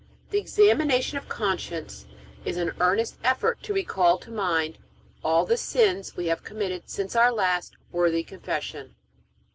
The examination of conscience is an earnest effort to recall to mind all the sins we have committed since our last worthy confession.